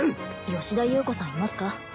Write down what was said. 吉田優子さんいますか？